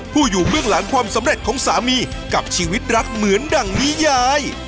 อยู่เบื้องหลังความสำเร็จของสามีกับชีวิตรักเหมือนดั่งนิยาย